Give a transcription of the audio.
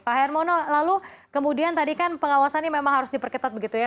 pak hermono lalu kemudian tadi kan pengawasannya memang harus diperketat begitu ya